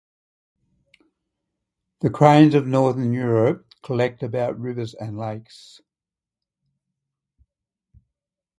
The cranes of northern Europe collect about rivers and lakes.